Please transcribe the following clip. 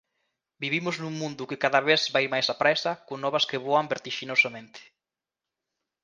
Vivimos nun mundo que cada vez vai máis apresa con novas que voan vertixinosamente